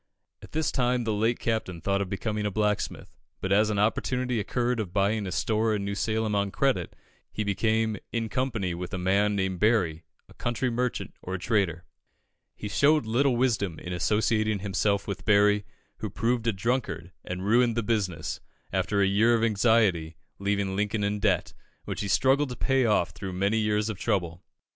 At this time the late Captain thought of becoming a blacksmith, but as an opportunity occurred of buying a store in New Salem on credit, he became, in company with a man named Berry, a country merchant, or trader. He showed little wisdom in associating himself with Berry, who proved a drunkard, and ruined the business, after a year of anxiety, leaving Lincoln in debt, which he struggled to pay off through many years of trouble.